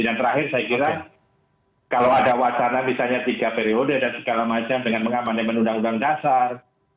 dan terakhir saya kira kalau ada wacana misalnya tiga periode dan segala macam dengan mengamannya dengan undang undang dasar